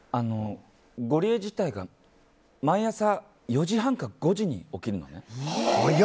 ゴリエ自体が毎朝４時半か５時に起きるのね。